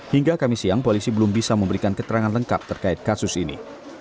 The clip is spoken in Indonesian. hingga kami siang polisi belum bisa memberikan keterangan lengkap terkait kasus ini